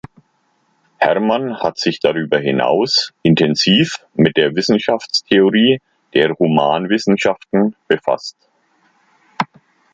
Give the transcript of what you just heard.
Herrmann hat sich darüber hinaus intensiv mit der Wissenschaftstheorie der Humanwissenschaften befasst.